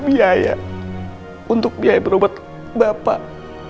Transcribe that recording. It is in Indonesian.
biaya untuk biaya berobat bapak